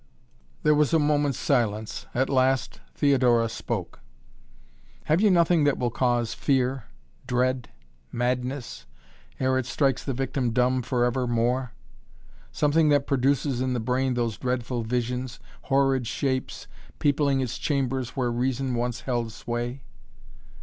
There was a moment's silence. At last Theodora spoke. "Have you nothing that will cause fear dread madness ere it strikes the victim dumb forever more? Something that produces in the brain those dreadful visions horrid shapes peopling its chambers where reason once held sway?"